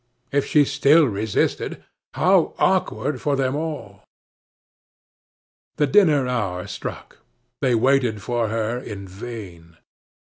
If she still resisted, how awkward for them all! The dinner hour struck; they waited for her in vain.